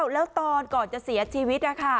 แล้วตอนก่อนจะเสียชีวิตนะคะ